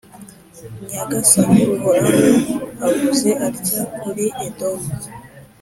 nyagasani uhoraho avuze atya kuri edomu: